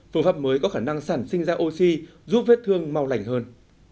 phương pháp mới có khả năng sản sinh ra oxy giúp vết thương mau lành hơn